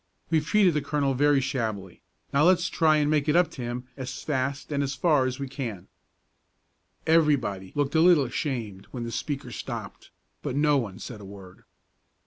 We've treated the colonel very shabbily; now let's try and make it up to him as fast and as far as we can." Everybody looked a little ashamed when the speaker stopped, but no one said a word.